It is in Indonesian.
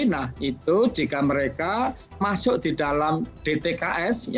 nah itu jika mereka masuk di dalam dtks